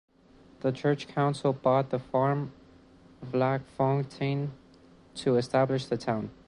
The church counsel bought the farm Vlakfontein to establish the town.